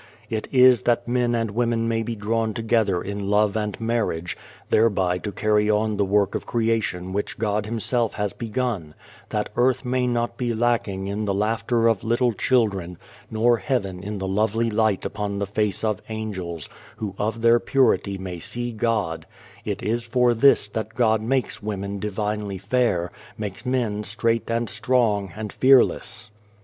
It is that men and women may be drawn together in love and marriage, thereby to carry on the work of creation which God Himself has begun ; that earth may not be lacking in the 271 A World laughter of little children, nor heaven in the lovely light upon the face of angels, who of their purity may see God it is for this that God makes women divinely fair, makes men straight and strong and fearless.